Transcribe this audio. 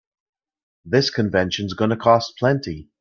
This convention's gonna cost plenty.